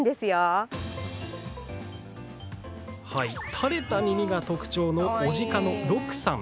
垂れた耳が特徴の雄鹿のロクさん。